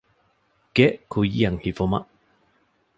ގެ ކުއްޔަށް ހިފުމަށް